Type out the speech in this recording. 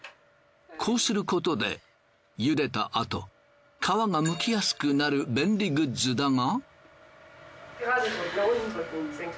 こうすることで茹でたあと皮がむきやすくなる便利グッズだが。